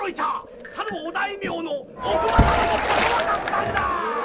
さるお大名の奥方のものだとわかったんだ！